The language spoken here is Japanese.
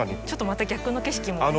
ちょっとまた逆の景色も。